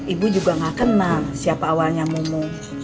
ibu juga tidak kenal siapa awalnya mumu